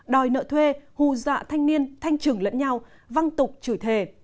đòi nợ thuê hù dạ thanh niên thanh trừng lẫn nhau văng tục chửi thề